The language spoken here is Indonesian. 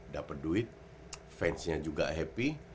dapat duit fansnya juga happy